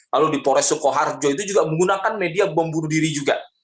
lalu di polres soekoharjo itu juga menggunakan media membunuh diri juga